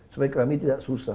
supaya kami tidak susah